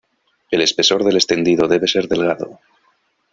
El espesor del extendido debe ser delgado.